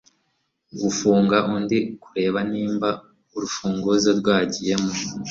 Gufunga undi kurebanimba urufunguzo rwagiyemo